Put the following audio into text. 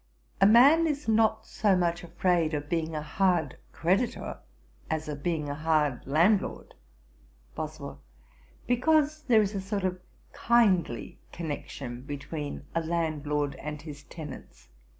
A man is not so much afraid of being a hard creditor, as of being a hard landlord.' BOSWELL. 'Because there is a sort of kindly connection between a landlord and his tenants.'